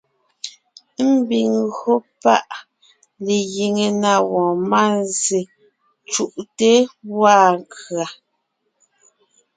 Ḿbiŋ ńgÿo pa giŋe na wɔɔn mánzsè cú’te ńgwaa kʉ̀a.